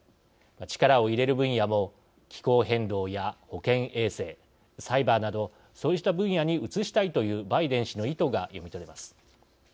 力を入れる分野も気候変動や保健衛生サイバーなどそうした分野に移したいというバイデン氏の意図が読み取れます。